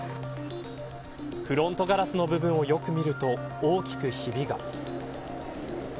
フロントガラスの部分をよく見ると大きくひびが。